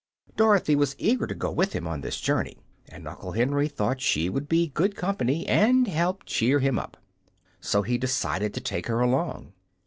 Dorothy was eager to go with him on this journey, and Uncle Henry thought she would be good company and help cheer him up; so he decided to take her along.